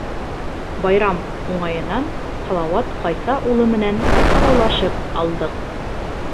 Байрам уңайынан Салауат Ғайса улы менән аралашып алдыҡ.